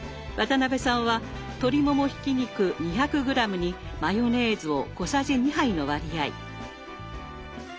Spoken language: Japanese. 渡辺さんは鶏ももひき肉２００ｇにマヨネーズを小さじ２杯の割合。